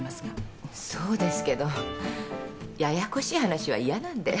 そうですけどややこしい話は嫌なんで。